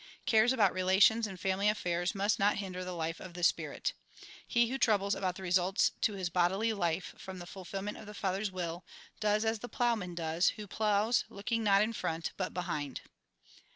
Cares about relations and family affairs must not hinder the life of the Spirit. He who troubles about the results to his bodily life from the fulfilment of the Father's will, does as the ploughman does, who ploughs, looking not in front, but behind.